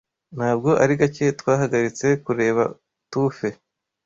Ntabwo ari gake twahagaritse kureba tufe